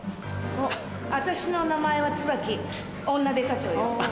私の名前は椿女刑事長よ。